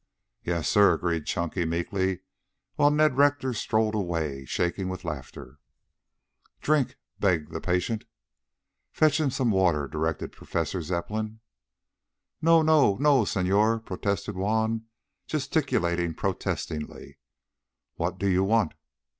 "Yes, sir," agreed Chunky meekly, while Ned Rector strolled away, shaking with laughter. "Drink," begged the patient. "Fetch him some water," directed Professor Zepplin. "No, no, no, señor," protested Juan, gesticulating protestingly. "What do you want?"